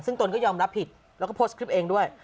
ซึ่งตนก็ยอมรับผิดแล้วก็โพสต์คลิปเองด้วย